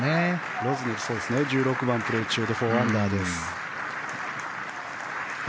ロズネル、１６番プレー中で４アンダーです。